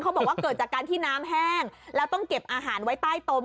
บอกว่าเกิดจากการที่น้ำแห้งแล้วต้องเก็บอาหารไว้ใต้ตม